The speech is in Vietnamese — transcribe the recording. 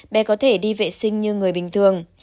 bé có thể đi vệ sinh như người bình thường